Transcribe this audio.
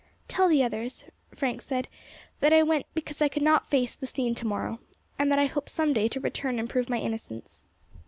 "Tell the others," Frank said, "that I went because I could not face the scene to morrow, and that I hope some day to return and prove my innocence."